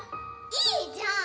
いいじゃん！